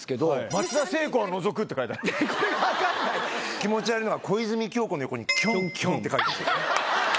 気持ち悪いのは、小泉今日子の横にキョンキョンって書いてある。